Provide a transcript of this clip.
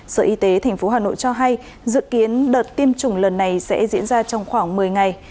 sở y tế tp hà nội cho hay dự kiến đợt tiêm chủng lần này sẽ diễn ra trong khoảng một mươi ngày